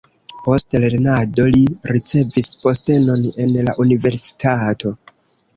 Post lernado li ricevis postenon en la universitato.